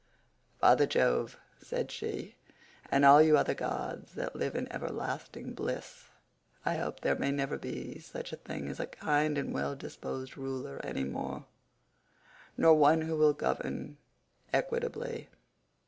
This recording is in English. "Father Jove," said she, "and all you other gods that live in everlasting bliss, I hope there may never be such a thing as a kind and well disposed ruler any more, nor one who will govern equitably.